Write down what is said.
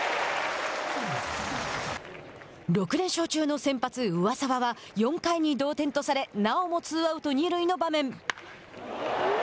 ６連勝中の先発上沢は４回に同点とされなおもツーアウト、二塁の場面。